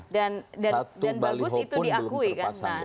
dan bagus itu diakui kan